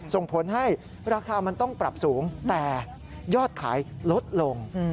ส่งผลให้ราคามันต้องปรับสูงแต่ยอดขายลดลง